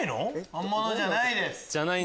本物じゃないです。